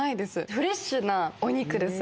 フレッシュなお肉です。